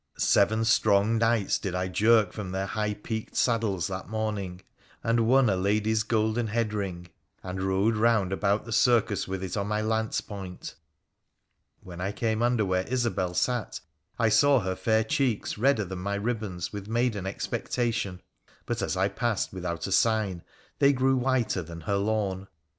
Seven strong knights did I jerk from their high peaked saddles that morning, and won a lady's golden head ring, and rode round about the circus with it on my lance point. When I came under where Isobel sat, I saw her fair cheeks redder than my ribbons with maiden expectation ; but, as I passed without a sign, they grew whiter than her lawn.